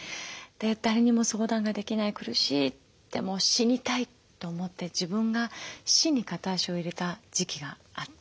誰にも相談ができない苦しいってもう死にたいって思って自分が死に片足を入れた時期があって。